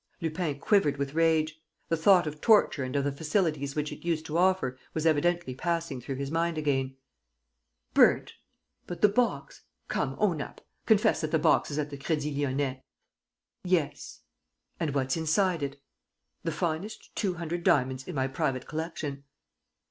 Lupin quivered with rage. The thought of torture and of the facilities which it used to offer was evidently passing through his mind again. "Burnt? But the box? ... Come, own up ... confess that the box is at the Crédit Lyonnais." "Yes." "And what's inside it?" "The finest two hundred diamonds in my private collection."